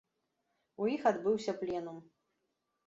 У іх адбыўся пленум.